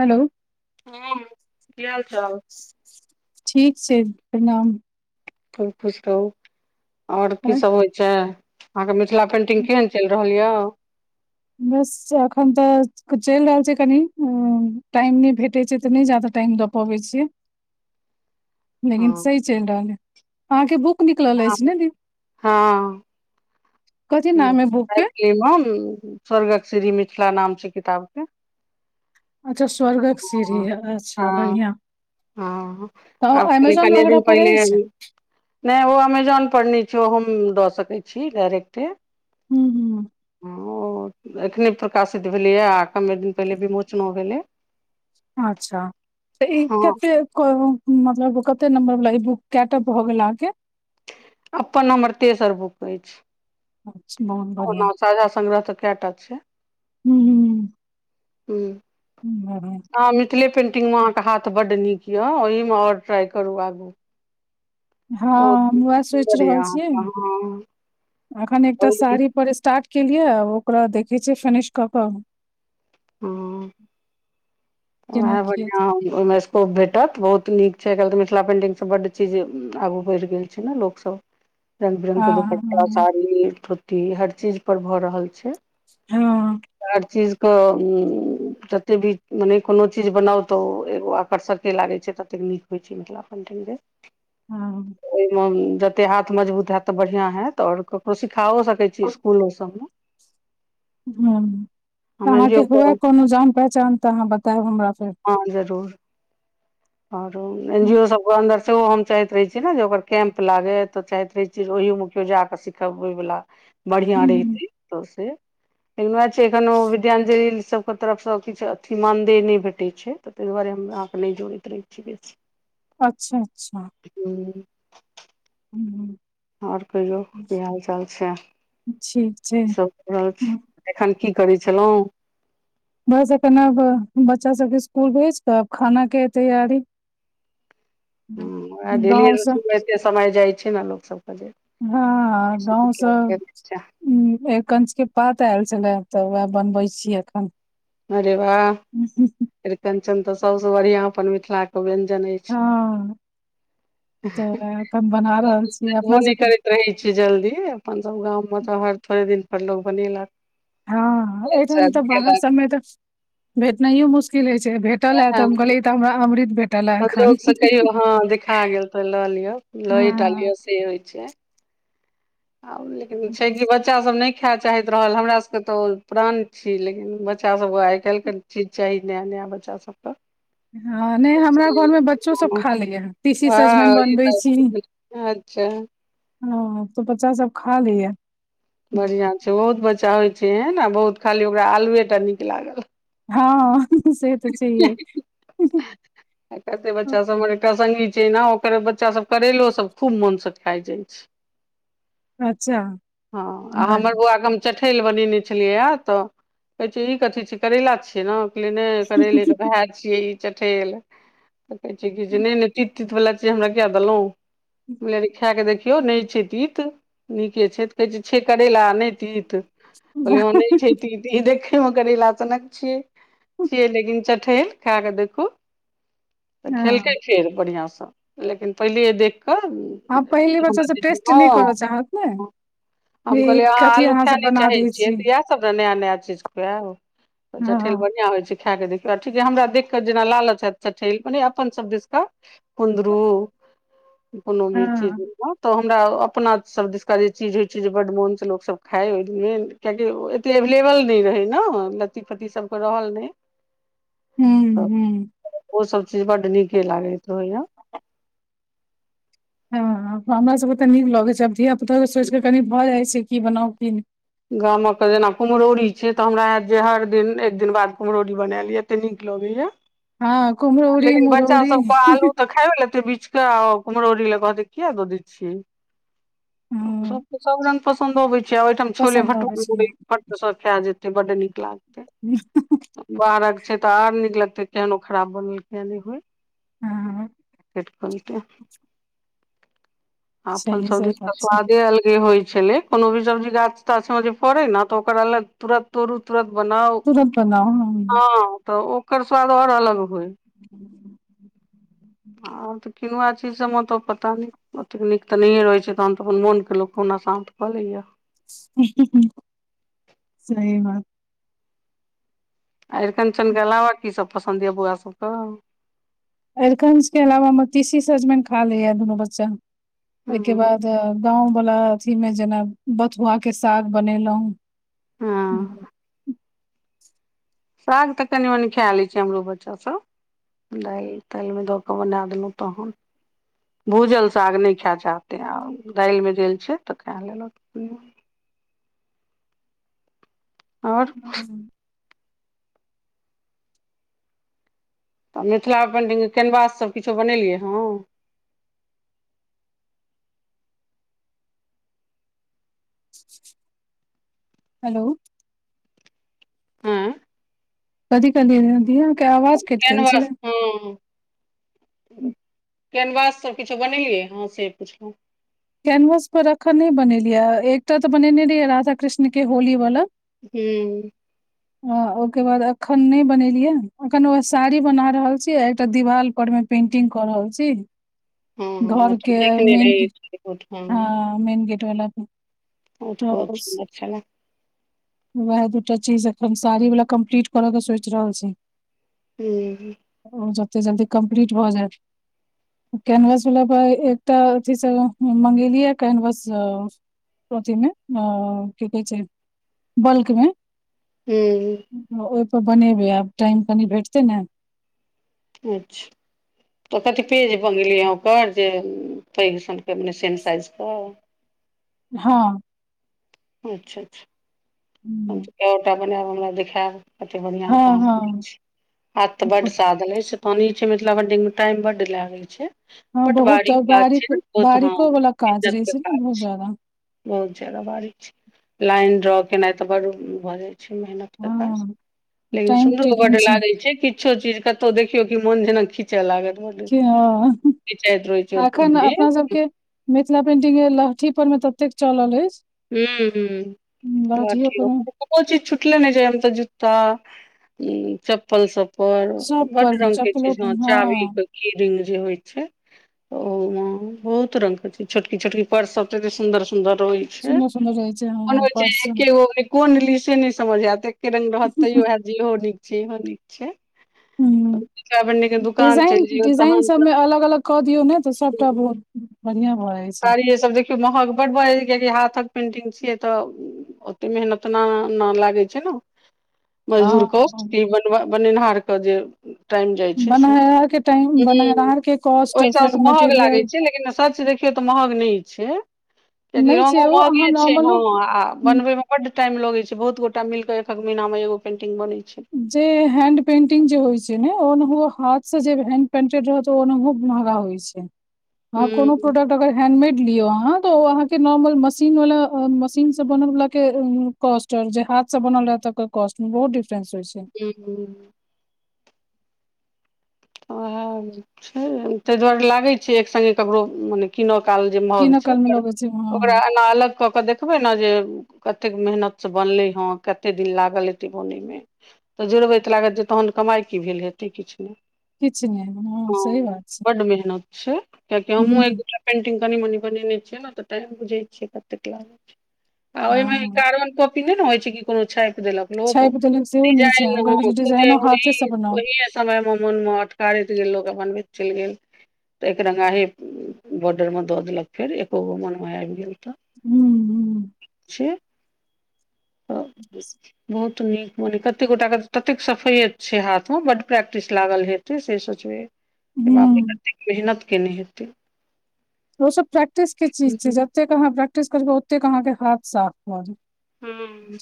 Hello हँ की हालचाल ठीक छै प्रणाम खूब खुश रहू आओर अ, की सब होय छै अहाँके मिथिला पेंटिंग केहन चलि रहल रहल यऽ बस अखन तऽ चलि रहल छै कनि टाइम नय भेटै छै तऽ नय जादा टाइम दऽ पबै छीयै। [inaudible] लेकिन हँ सही चलि रहल यइ अहाँके बुक निकलल अछि ने दी कथी नाम अइ बुक के मैथिलीमे स्वर्गक सीढ़ी मिथिला नाम छै किताबके अच्छा स्वर्गक सीढ़ी अच्छा हँ बढियाँ हँ आब कनी कनिएं वगैरह दिन पर पहिने अछि नय ओ अमेजोन पर नय छै ओ हम दऽ सकै छी डायरेक्ट ओ हूँ हूँ एखने प्रकाशित भेलैये आ कमे दिन पहिले विमोचनो भेलै अच्छा तऽ ई हँ केते को मतलब कते नम्बर बला ई बुक कैटा भऽ गेल अहाॅंके अपन हमर तेसर बुक अछि। अच्छा बढ़िआँ ओना साझा संग्रह तऽ कैटा छै। हुँ हुँ हुँ आ मि मिथिले पेन्टिंगमे अहाँके हाथ बड्ड नीक यऽ ओहिमे आओर ट्राइ करू आगू बहुत हँ हम वएह सोचि सुन्दर यए रहल छीयै अहाँके हँ अखन एकटा ओहि साड़ी पर स्टार्ट केलियै आब ओकरा देखै छियै फिनिश कऽ के ओ केना उहे कियै बढ़ियाँ ओहिमे स्कोप भेटत बहुत नीक छै आइ काल्हि तऽ मिथिला पेन्टिंगसँ बड्ड चीज आगू बढ़ि गेल छै ने लोकसभ रंग बिरंग के दुपट्टा हँ साड़ी धोती हर चीज पर भऽ रहल छै। हँ हर चीज क उंम्म जते भी मने कोनो चीज बनाउ तऽ ओ एगो आकर्षके लागै छै ततेक नीक होइ छै मिथिला पेन्टिंग के हँ हँ ओहिमे जते हाथ मजबूत हैत तऽ बढ़ियाँ हैत आओर ओ सिखाओ सकै छी स्कूलो सब मे हुँ तऽ हम एन जी अहाँके ओ के हुए कोनो जान पहचान तऽ अहाँ बतायब हमरा फेर हँ जरूर आओर हूँ एनजीयो सबके अंदर ओ हम चाहैत रहै छीयै न जे ओकर कैंप लागै तऽ चाहैत रहै छीयै जे ओहियो मे केओ जा कऽ सीखबय वला बढ़ियाँ रहितै तऽ से लेकिन वैह छै एखनो विद्यांजली सब के तरफ सँ किछु अथी मानदेय नय भेटै छै। तै दुवारे हम अहाँके नय जोड़ैत रहै छी बेसी अच्छा अच्छा हुँ। हू। ओर कहियौ कि हाल चाल छै ठीक छै। की रहल छी हँ, एखन कि करै छलहुँ वस एखन अब बच्चा सभके स्कुल भेज कऽ आब खाना के तैयारी ह उएह गेली गाँवसँ सुते समय जाइ छै ने लोक सभके जे हँ गाव सभ ह एरकच के पात आयल छले तऽ वएह बनबै छीयै एखन अरे वाह एरिकंचन तऽ सभसे बढ़िया अपन मिथिला के व्यंजन अछि ह तऽ वेह बना रहल छीयै देखबो अपना नहि सभके करैत रहै छी जल्दी अपन सभ गाम मे तऽ हर थोड़े दिन पर लोको बनेल कऽ हँ एकदम तऽ बाहर सभ मे त भेटनाइयो मुश्किल होइ छै भेटल है तऽ ने, हम कहलियै तऽ हमरा अमृत भेट। संजोग से कहियो ह देखा गेल तो लऽ लिअ लय टा हँ लिअ से होइ छै आ लेकिन छै कऽ बच बच्चा सभ नहि खाए चाहैत रहल हमरा सभ के तऽ ओ प्राण छी लेकिन बच्चा सभ आइ काल्हि के चीज चाही नया नया बच्चा सभ पर हँ नहि हमरा घरमे बच्चो सब खा लैये तीसी सजमनि हाई बनबै तऽ अच्छा। ह तऽ बच्चा सभ खा लय या बढ़िआ छै बहुत बच्चा होइ छै ए ने बहुत खाली ओकरा आलुए टा नीक लागल ह से तऽ छैहिये आ कतेक बच्चा सभ हमर एकटा सङ्गी छै ना ओकर बच्चा सभ करलो सभ खूब मोन सँ खाइ जाइत छै अच्छा हँ आ बड़ हमर बौआ के हम चठेल बनेने छलियै यो तऽ कहै छै ई कथी छी करैला छियै ने ले नहि करैले के भाय छियै ई चठेल। कहै छै कि नहि तीत तीत वला चीज हमरा किया देलहूँ हम कहलियाई अरे खाय क देखहीन इहो नहि छै तीत नीके छै कहे छै छी करेला नहि तित। तीत कहलिये हैं नहि छै तीत ई देखे मे करेला सनक छिय छियै लेकिन चठेल खा कऽ देखू तऽ खेलकै हँ फेर बढ़िआ सँ लेकिन पहिले देख कऽ आब पहिले बच्चा सब टेस्ट नहि करऽ चाहत ने [unintelligible] जे हम कह ई लऽ कथी आलू अहाँ सब खानी बना चाहै दै छियै छी तऽ सभ ने नया नया चीज खु जठिन हँ बढ़िया होइ छै खा कऽ देखियौ ठीक हमरा देख कऽ जेना लालच छथि चठेल मने अपन सभ दिस कऽ कुन्दरू कोनो भी चीज। हँ तऽ हमरा अपना सभ दिशका जे चीज होय छै जे बड मोन से लोक सभ खाय ओ द किएकि एते एवलेबल नहि रहै ने लत्ती फत्ती सभके रहल नहि हू तऽ हू। ओ सभ चीज बड नीके लागैत होया हँ हमरा सभ के तऽ नीक लगैत छै आब धिया पुता के सोचि कऽ कनि भऽ जाइत छै कि बनाउ कि गाम के जेना कुमहरौरी छै त हमरा हयत जे हर दिन एक दिन बाद कुम्रौरी बनाय लिये एते नीक लगैया। हँ कुमरौरी लेकिन बच्चा मुरौरी सबके ही आलू तऽ खाइब त बीच क आ कुमरो उरी लऽ कहत किया दो दै छै हँ सब के सब रंग पसन्द अबै छै आ ओहिठाम छोले पसन्द भट्ट अबै छै तऽ सब खा जेतै बड्ड नीक लाग [unintelligible] बाहरक छै तऽ आर नीक लगतै केहनो खराब बनेल केने होय हँ [unintelligible] आ अपन सही सही सबदिस त बात छै स्वादे अलगे होइ छलै कोनो भी सब्जी गाछ तऽ सं जे फड़ै न तऽ ओकरा अलग तुरत तोड़ू तुरत बनाउ तुरंत बनाउ हं तऽ ओकर स्वाद आऔर अलग होय आब तऽ किनुआ चीज सब मे त पता नहि ओतेक नीक तऽ नहिए रहैत छै तहन तऽ अपन मोनके लोक कहुना शान्त कऽ लैए। सही बात आ अरिकंचनके अलावा कीसब पसन्द यए बौआ सबके? अरिकंज के अलावा मे तीशी सजमनि खा लै या दुनू बच्चा ओय के हूँ बाद त गाँंवबला अथी मे जेना बथुआ के साग बनेलहुं। हँ साग तऽ कनि मनी खा लै छै हमरो बच्चा सब। दालि तालिमे दऽ कऽ बना देलहुँ तहन भूजल साग नहि खाय चाहतै आ दालिमे देल छै तऽ खा लेलक। आओर हूं आ मिथिला पेन्टिंग कैनवाससब किछो बनेलियै हँ? हेलो हँ कथी कहलियैन हं दी अहां कैनवास हं कैनवास सब किछो बनेलियै हँ से पुछलहुँ? कैनवास पर अखन नै बनेलियै एकटा तऽ बनेने रहियै राधा कृष्ण के होली वाला हूं आ ओके बाद अखन नहि बनेलियै अखन वएहा साड़ी बना रहल छी एकटा दिवाल पर मे पेंटिंग कर रहल छी हँ हं घर के देखने मेन रही गेट [unintelligible] हँ मेन गेट वला बहुत त सुन्दर छलै वएह दूटा चीज एखन साड़ी वाला कम्प्लीट करऽ के सोचि रहल छी हूं ओ जते जल्दी कम्प्लीट भऽ जायत कैनवास वला पर एकटा अथी सलौं हं मंगेलियै कैनवास अ अथी मे अ की कहै छै बल्क मे हूँ ओहिपर बनेबै आब टाइम कनि भेटतै न [unintelligible] छ तऽ कत पेज भ गेलियै ओकर जे पैघ सनक सेम साइज क हँ अच्छा अच्छा [inaudible] हम कएोटा बनायब हमरा देखैब। कत बढ़िया तऽ हँ हम हँ छी हाथ बड सादन अछी। पानी छै मिथिला पेन्टिङगमे टाइम बड लागै छै। हँ बहुत पटवारी काज बारीक छै ने ओत ह बारीको वाला काज इज्जत रहै छै के ने काज बहुत छै। ज्यादा बहुत ज्यादा बारी छै लाइन ड्र केनाइ तऽ बड़ भ जाइ छै मेहनत के काज हँ लेकिन टाइम सुन्दरो टेकिंग बड़ लागैत छै किछ। किछो चीज कतहु देखियौ कि मुन जेना जेना लागत मुन रहै कि हँ छय कि जाति रहते एखन बुढ मे अपना सबके मिथिला पेंटिग लहठी पर मे ततेक चल अछि हूँ लहठियो पर हूँ मे कोनो चीज छुटल नहि छै तऽ जूता इ चप्पल सभ पर सब बड़ पर मे रंग के चप्पलो छै पर ह चाभी हँ के कीड जे होइ छै। ओ माँ बहुत रंग के छै छोटकी छोटकी र्पस सभ त एते सुंदर सुंदर रहै ऐह सुन्दर सुन्दर रहै छै मन हँ होइ छै पर्स एके गो होइत कोन ली से नहि समझ आयत एके रंग रहत तैयो हैत जे इहो निक छी इहो नीक छै। ह कपड़ा बनने के दुकान डिजाइन चलि जइयौ डिजाइन तहन सभमे अलग अलग कऽ दियौ ने तऽ सभटा बोत बढ़िया हैत साड़ी सभ देखियौ महग बड बढ़ गेल हाथ कऽ पेंटिंग छियै तऽ ओते मेहतना न लागै छै मजदूर कोअष्ट हँ के बनबा बनेनिहार कऽ जे टाइम जाइ छै से बनैनाहारके टाइम हुॅ बनैनाहारके कॉस्ट ओहि फेर सभ महग लागै मटेरियल छै लेकिन सच ओते तऽ महग नहि छै कियकि नहि छै रंगो ओ अहाँ महगे छै नॉर्मलो हैं ह आ हम्म, बनवे मे बड टाइम लगे छै बहुत गोटा मिल कऽ एखक महीना मे एगो पेंटिंग बनइ छै। जे हैड पेंटिग जे होय छै ने ओनहो हाथ सँ जे हैड पेंटेड रहत वो अनाहवो महगा होई छै [inaudible] ह कोनो प्रोडक्ट अगर हैगमेट लियो अहाॅ तो अहाॅ के नोरमल मशीन वला आ मशीन से बनल बला के कॉस्टन जे हाथ से बनल रहै तकर कॉस्ट मे बहुत डिफरेस होइ छै ज [unintelligible] अहै छै ताहि दुआरे लागै छैय एक सङ्गे ककरो मने किन काल जे मग कीनऽ छै कालमे लगै छै ओकरा हँ एना अलग कऽ देख देखबै ने जे कतेक मेहनतसँ बनलै ह कते दिन लागल हेतइ बनैय मे तऽ जुड़ब ई लागत जे तहन कमाई कि भेल हेतै किछु नहि किछ नहि हम। ह बड़ मेहनत छै कियै कि हूँ हमहु एक दुटा पेटिग कनी मनी बने छियै ने तऽ टाइम बुझे छियै कतेक लागत। आ ओहिमे हँ कार्बन कॉपी नहि रहै छै कि कोनो छापि देलकऽ लोको छापि देलक सेहो कि नहि छै जाहि ओकरा अहॉ कहै छै डिजाइनो हाथे से बनाउ ओहि समयमे मन मात्र टारेत चलिए गेल लोक अपन बेचल गेल तऽ एकरगा हे बॉर्डर मे दऽ देलक फेर एको गो मन मे आबि गेल तऽ हूँ हूँ इक छै। तऽ ओ [unintelligible] बहुत नीक मने कते गोटा के ततेक सफैयत छै हाथ मे बड़ प्रैक्टिस लागल हेत फेर से सोचबै बाप रे हुं कतेक मेहनत केने हेतै ओ सब प्रैक्टिस केँ चीज छै जतेक अहाँ प्रैक्टिस करबै ओतेक अहाँकेँ हथ साफ हैत हुँ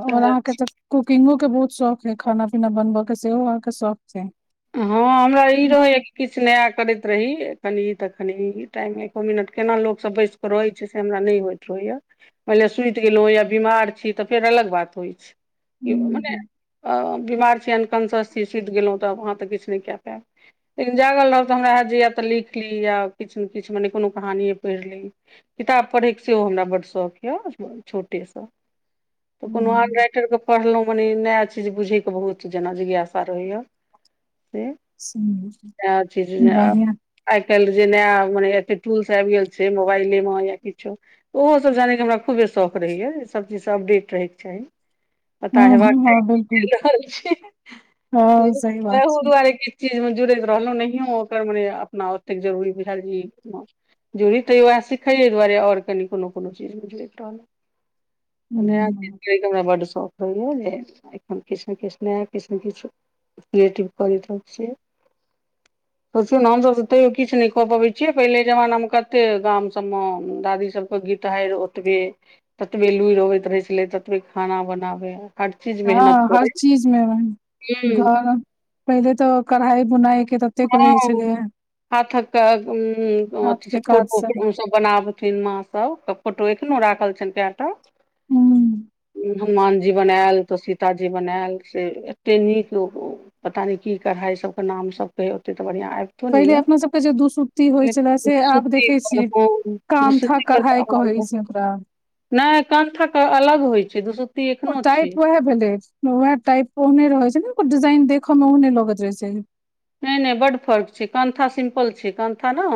आओर सएह अहाँकेँ तऽ कूकिंगो केँ बहुत शौख है खाना पीना बनबऽ केँ सेहो अहाँकेँ शौख छै हँ हमरा ई हुं रहैया किछ नया करैत रही खन ई तऽ खन ई टाइम एको मिनट केना लोकसभ बैस कऽ रहै छै से हमरा नय होइत रहैय मानि लियऽ सुति गेलहु या बीमार छी तऽ फेर अलग बात होइ छै मने बीमार छी अनकॉन्सस छी सुति गेलहुँ तऽ अहाँ तऽ किछ नय कैय पायब लेकिन जागल रहब तऽ हमरा हैत जे या तऽ लिख ली या किछ नय किछ मने कोनो कहानिये पैढ़ ली। किताब पढ़ैकेँ सेहो हमरा बड्ड शौख यऽ छोटेसँ। तऽ कोनो आन राइटर कऽ पढ़लहुॅं मने ई नया छै चीज बुझय कऽ बहुत जेना जिज्ञासा रहेय यऽ से नया चीज नायाब। बढ़िया आइ काइल जे नया मने एतेक टूल्स आइब गेल छै मोबाइलेमे या किछो ओहोसभ जानय कऽ हमरा खूबे शौक रहै य ईसभ चिज सँ अपडेट रहय केँ चाही। पता हुं हेबाक हुं हँ चाही की बिलकुल चईल रहल हँ छै सही बात छै हरेक एक चीज मे जुड़ैत रहलहुँ नहियो ओकर मने अपना ओतेक जरूरी बुझाएल जे ई हँ जुड़ी तयो वैह सीखैये दुआरे आओर कनि कोनो कोनो चीजमे जुड़ैत रहलौ नया चीज हुं करैक हमरा बड्ड सौख। [unintelligible] जे एखन किछ नऽ किछ नया किछु नै किछ क्रियेटिव करैत रहैय छिये सोचियौ नऽ हमसभ तऽ तैयो किछ नय कऽ पबैय छियै पहिले जमाना मऽ कते गाम सभ मऽ दादीसभ गीतहाइर ओतबे ततबे लुइर अबैत रहै छले ततबे खाना बनाबे हर चीज मेहनत हँ हर करै चीज मे हँ घरो पहिले तो कढ़ाई बुनाई केँ तऽ ह हाथक तऽ उं हाथ अथि के सब काज फोटो तऽ बनाबथिन माँ सब फोटोए कऽ नऽ राखल छैन कैय टा हुँ हनुमान जी बनायल तऽ सीताजी बनायल से एते नीक ओ पता नय की कढ़ाय ई सब कऽ नाम सब कहै ओते ते बढ़िया आई पहिले अपना सब कऽ जे दुसुत्ति होइ छलै से आब बिसुत्ती देखै पर छियै हँ काम थाक कढ़ाइ कहै छै ओकरा। नय कंठक अलग होइ छै दूसु ओ टाइप वैह भेलै वैह टाइप ओहने रहे छै नऽ ओकर डिजाइन देखे मऽ ओहने लगैत रहे छै। नय नय बड्ड फर्क छै कंठा सिम्पल छै कंठा नऽ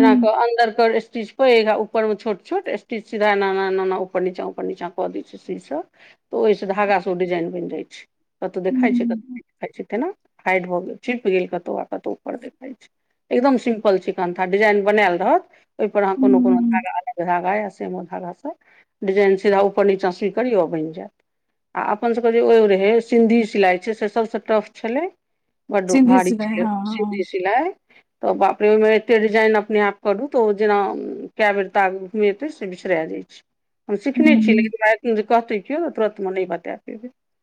एना कऽ अन्दर कऽ स्टीच पैघ आ ऊपर मे छोट छोट स्टीच सीधा एना - एना - एना - एना ऊपर नीचा - ऊपर नीचा कऽ दै छै सुई सँ तऽ ओहि सँ धागा सँ ओ डिजाइन बैन जाय छै कतहु हूँ देखाय छै कतहु हूँ नय देखाय छै तेना हाइड भऽ गेल। छिप गेल कतौ आ कतहु ऊपर देखाय छै एकदम सिम्पल छै कंठा डिजाइन बनायल रहत ओहिपर अहाँ कोनो कोनो हूँ धागा अलग धागा या सेमो धागासँ डिजाइन सीधा ऊपर निचाँ सुई करियओ बैन जैत आ अपन सभ कऽ जे ओहि रहै सिन्धी सिलाइ छै से सभसँ टफ छलै बड्ड सिन्धी भारी सिलाइ छै ओ हँ हँ सिंधी सिलाई तऽ बाप रे ओहिमे एतेक डिजाइन अपने आप करू तऽ ओ जेना कए बेर ताग घुमेतै से बिसरा जाइ छिये हम सिखने छी हूँ लेकिन वैह अखैन जे कहतैय कियो तुरतमे नय बतैय पयबै।